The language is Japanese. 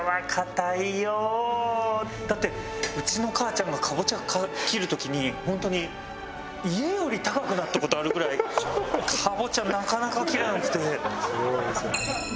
だってうちの母ちゃんがカボチャ切る時に本当に家より高くなった事あるぐらいカボチャなかなか切れなくて。